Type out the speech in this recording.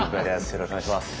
よろしくお願いします。